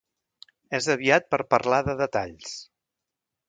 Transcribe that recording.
És aviat per parlar de detalls.